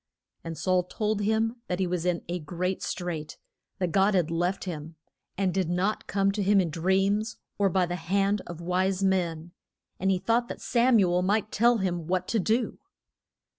And Saul told him that he was in a great strait, that God had left him, and did not come to him in dreams or by the hand of wise men, and he thought that Sam u el might tell him what to do.